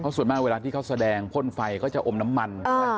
ส่วนมากเวลาที่เขาแสดงพ่นไฟก็จะอมน้ำมัน